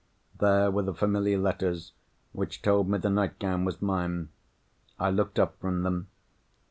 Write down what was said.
There were the familiar letters which told me that the nightgown was mine. I looked up from them.